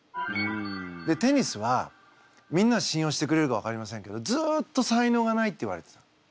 でテニスはみんなが信用してくれるか分かりませんけどずっと才能がないって言われてたの。